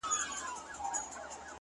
چي سترگو ته يې گورم، وای غزل لیکي،